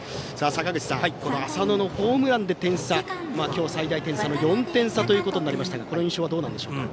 坂口さん、浅野のホームランで今日最大点差の４点差となりましたがこの印象はどうなんでしょうか。